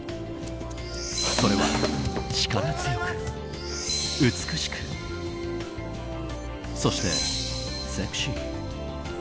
それは力強く、美しくそしてセクシー。